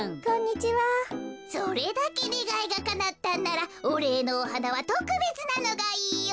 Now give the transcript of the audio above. それだけねがいがかなったんならおれいのおはなはとくべつなのがいいよ。